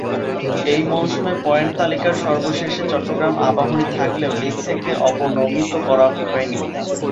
এই মৌসুমে পয়েন্ট তালিকার সর্বশেষে চট্টগ্রাম আবাহনী থাকলেও লীগ থেকে অবনমিত করা করা হয়নি।